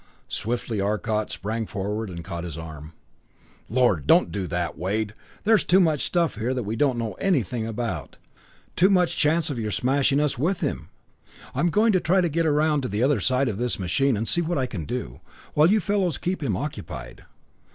Swiftly Arcot sprang forward and caught his arm. "Lord don't do that, Wade there's too much stuff here that we don't know anything about. Too much chance of your smashing us with him. I'm going to try to get around to the other side of this machine and see what I can do, while you fellows keep him occupied."